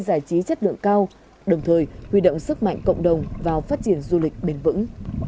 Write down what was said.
giải trí chất lượng cao đồng thời huy động sức mạnh cộng đồng vào phát triển du lịch bền vững